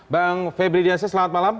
bang febridiasa selamat malam